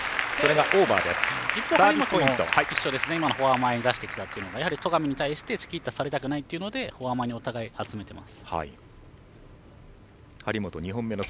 フォア前に出してきたというのは戸上に対してチキータされたくないというのでフォア前に、お互い集めてます。